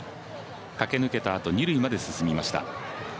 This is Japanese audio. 駆け抜けたあと二塁まで進みました。